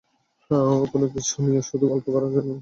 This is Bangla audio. কোন কিছু নিয়ে শুধু গল্প করার জন্যই তা শিখবেন না।